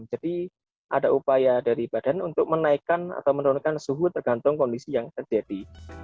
ada upaya dari badan untuk menaikkan atau menurunkan suhu tergantung kondisi yang terjadi